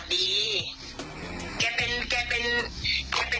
สวัสดีครับทุกคน